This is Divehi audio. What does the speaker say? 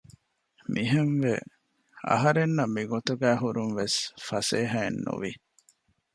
މިހެންވެ އަހަރެންނަށް މިގޮތުގައި ހުރުން ވެސް ފަސޭހައެއް ނުވި